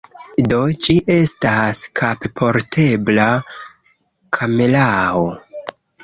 Do, ĝi estas kapportebla kamerao.